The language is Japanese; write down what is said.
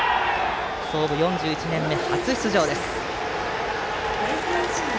創部４１年目で初出場です。